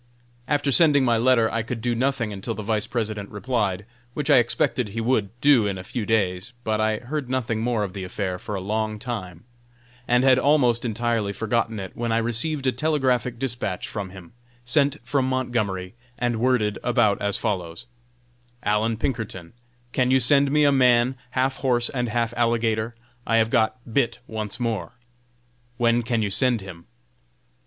After sending my letter, I could do nothing until the Vice President replied, which I expected he would do in a few days; but I heard nothing more of the affair for a long time, and had almost entirely forgotten it, when I received a telegraphic dispatch from him, sent from Montgomery, and worded about as follows: "ALLAN PINKERTON: Can you send me a man half horse and half alligator? I have got 'bit' once more! When can you send him?"